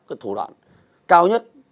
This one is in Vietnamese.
cái thủ đoạn cao nhất